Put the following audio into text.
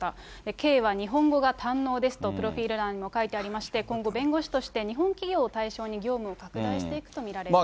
ケイは日本語が堪能ですとプロフィール欄にも書いてありまして、今後、弁護士として日本企業対象に業務を拡大していくと見られます。